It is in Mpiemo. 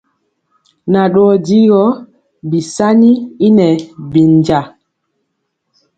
Nan dɔɔ digɔ bisani y nɛ bɛnja.